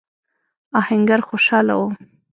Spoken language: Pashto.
آهنګر خوشاله و.